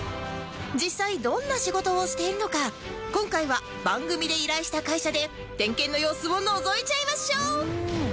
実際どんな仕事をしているのか今回は番組で依頼した会社で点検の様子をのぞいちゃいましょう！